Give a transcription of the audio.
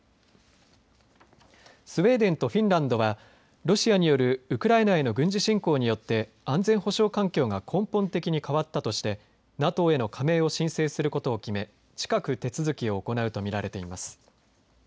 スウェーデンとフィンランドはロシアによるウクライナへの軍事侵攻によって安全保障環境が根本的に変わったとしてＮＡＴＯへの加盟を申請することを決め近く手続きを行うとみられています。